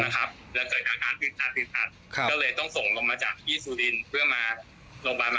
ไม่เคยเจอเคสอย่างนี้มาก่อนครับ